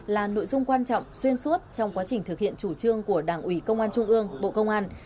là nội dung quan trọng xuyên suốt trong quá trình thực hiện chủ trương của đảng ủy công an trung ương bộ công an